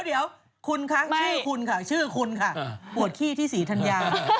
เดี๋ยวคุณค่ะชื่อคุณค่ะโหวดขี้ที่สีทัญญา